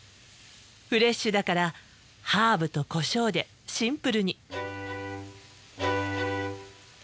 フレッシュだからハーブとコショウでシンプルに。